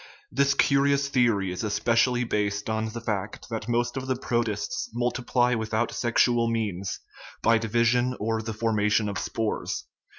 This curious theory is especially based on the fact that most of the protists multiply without sexual means, by division or the formation of spores.